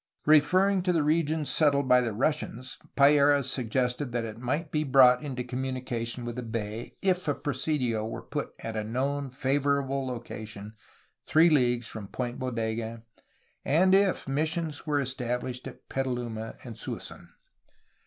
Referring to the region set tled by the Russians, Payeras suggested that it might be brought into communication with the bay if a presidio were put at a known favorable location three leagues from Point Bodega and if missions were established at Petaluma and Suisun.